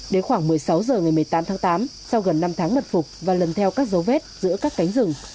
đến khoảng một mươi sáu h ngày một mươi tám tháng tám sau gần năm tháng mật phục và lần theo các dấu vết giữa các cánh rừng